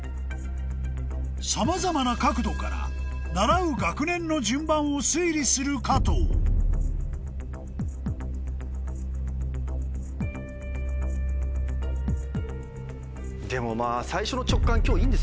さまざまな角度から習う学年の順番を推理する加藤でもまぁ。